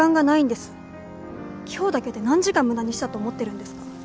今日だけで何時間無駄にしたと思ってるんですか？